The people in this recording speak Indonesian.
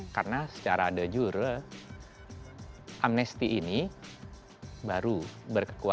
karena secara de jure amnesti ini baru berkekuatan